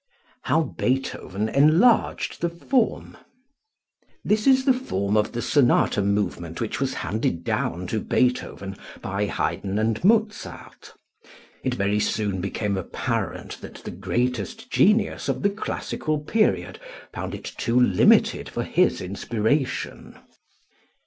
How Beethoven Enlarged the Form. This is the form of the sonata movement which was handed down to Beethoven by Haydn and Mozart. It very soon became apparent that the greatest genius of the classical period found it too limited for his inspiration.